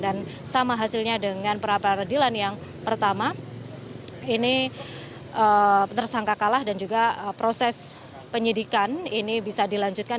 dan sama hasilnya dengan pra peradilan yang pertama ini tersangka kalah dan juga proses penyidikan ini bisa dilanjutkan